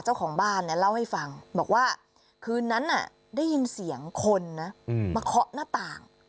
เจ้าของบ้านเนี่ยเล่าให้ฟังบอกว่าคืนนั้นได้ยินเสียงคนนะมาเคาะหน้าต่าง